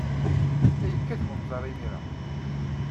La yekkat wenẓar imir-a.